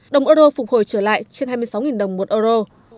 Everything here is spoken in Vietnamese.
đồng euro phục hồi trở lại trên hai mươi sáu đồng một euro